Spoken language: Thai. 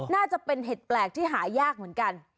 น่าจะเป็นเห็ดแปลกที่หายากเหมือนกัน